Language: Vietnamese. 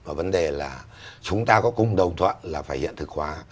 và vấn đề là chúng ta có cùng đồng thuận là phải hiện thực hóa